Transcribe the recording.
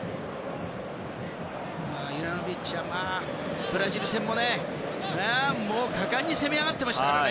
ユラノビッチはブラジル戦ももう、果敢に攻め上がってましたからね。